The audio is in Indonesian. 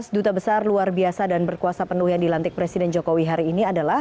dua belas duta besar luar biasa dan berkuasa penuh yang dilantik presiden jokowi hari ini adalah